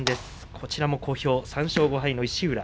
こちらも小兵、３勝５敗の石浦。